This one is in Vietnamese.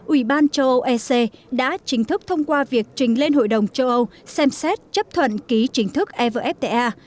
ủy ban châu âu ec đã chính thức thông qua việc trình lên hội đồng châu âu xem xét chấp thuận ký chính thức evfta